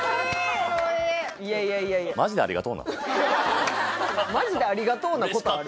いやいやいやいやマジでありがとうなことある？